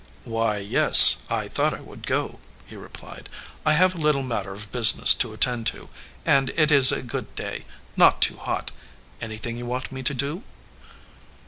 "Why, yes, I thought I would go," he replied. "I have a little matter of business to attend to, and it is a good day, not too hot. Anything you want me to do?"